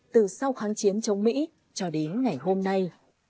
từ sau kháng chiến chống mỹ cho đến ngày hôm nay